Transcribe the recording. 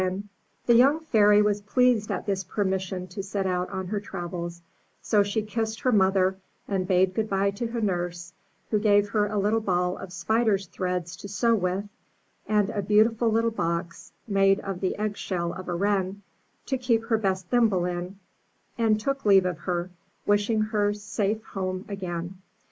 '* 358 UP ONE PAIR OF STAIRS The young Fairy was pleased at this permission to set out on her travels; so she kissed her mother, and bade good bye to her nurse, who gave her a little ball of spider's threads to sew with, and a beautiful little box, made of the egg shell of a wren, to keep her best thimble in, and took leave of her, wishing her safe home again.